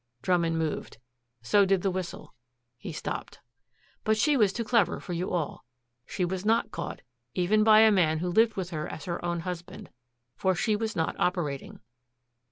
Drummond moved. So did the whistle. He stopped. "But she was too clever for you all. She was not caught, even by a man who lived with her as her own husband. For she was not operating."